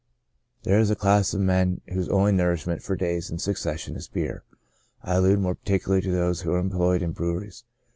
There is a class of men whose only nourishment for days in succession is beer ; I allude more particularly to those v^^ho are employed in breweries.